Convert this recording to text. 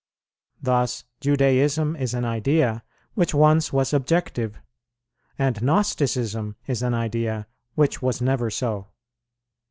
Thus Judaism is an idea which once was objective, and Gnosticism is an idea which was never so.